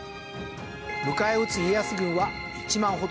迎え撃つ家康軍は１万ほど。